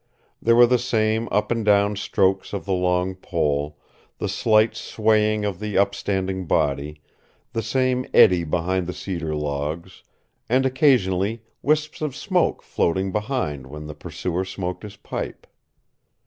There were the same up and down strokes of the long pole, the slight swaying of the upstanding body, the same eddy behind the cedar logs and occasionally wisps of smoke floating behind when the pursuer smoked his pipe.